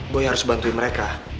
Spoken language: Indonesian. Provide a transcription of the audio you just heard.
boy harus bantuin mereka